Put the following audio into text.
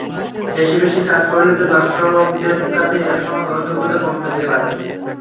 বেশি বেশি কাজ করলে তো দর্শকদের কাছে একসময় গ্রহণযোগ্যতা কমে যেতে পারে।